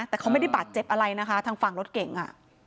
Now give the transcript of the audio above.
แต่เขาไม่ได้บาดเจ็บอะไรนะคะทางฝั่งรถเก่งอ่ะ